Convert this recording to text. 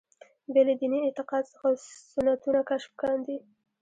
بې له دیني اعتقاد څخه سنتونه کشف کاندي.